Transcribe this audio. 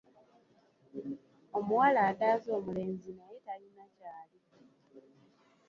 Omuwala adaaza omulenzi naye talina ky’ali.